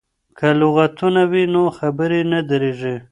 که لغتونه وي نو خبرې نه دریږي.